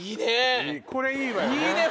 これいいわよね。